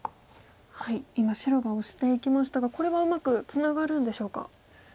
今白がオシていきましたがこれはうまくツナがるんでしょうか。